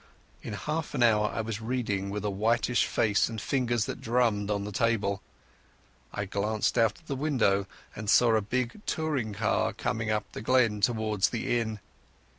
In half an hour I was reading with a whitish face and fingers that drummed on the table. I glanced out of the window and saw a big touring car coming up the glen towards the inn.